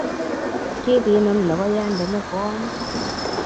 kikinun logoyande ne koame